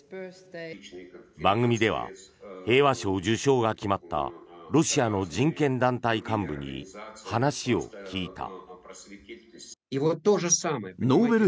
番組では平和賞受賞が決まったロシアの人権団体幹部に話を聞いた。